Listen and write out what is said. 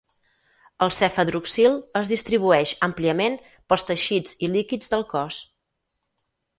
El Cefadroxil es distribueix àmpliament pels teixits i líquids del cos.